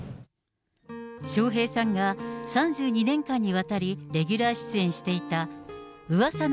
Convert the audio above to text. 笑瓶さんが３２年間にわたりレギュラー出演していた噂の！